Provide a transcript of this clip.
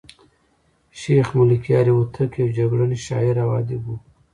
شېخ ملکیار هوتک یو جګړن شاعر او ادیب وو.